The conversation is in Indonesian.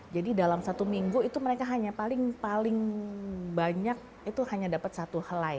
jadi dalam satu minggu itu mereka hanya paling paling banyak itu hanya dapat tulis